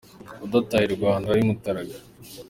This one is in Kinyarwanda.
Undi ataha i Rwanda ari mutaraga.